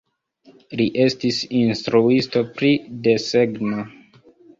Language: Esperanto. Li estis instruisto pri desegno.